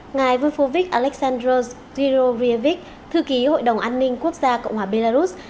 ngài vufovic alexandros zirovievic thư ký hội đồng an ninh quốc gia cộng hòa belarus